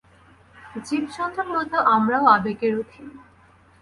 জীবজন্তুর মত আমরাও আবেগের অধীন।